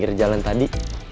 di pinggir jalan tadi